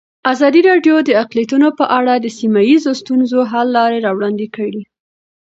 ازادي راډیو د اقلیتونه په اړه د سیمه ییزو ستونزو حل لارې راوړاندې کړې.